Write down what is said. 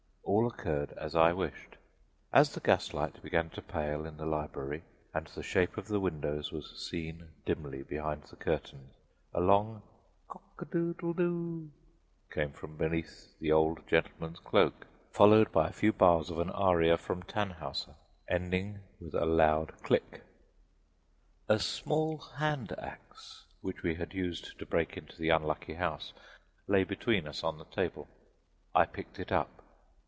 All occurred as I wished: as the gaslight began to pale in the library and the shape of the windows was seen dimly behind the curtains, a long cock a doodle doo came from beneath the old gentleman's cloak, followed by a few bars of an aria from Tannhauser, ending with a loud click. A small hand axe, which we had used to break into the unlucky house, lay between us on the table; I picked it up.